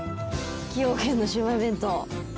崎陽軒のシウマイ弁当。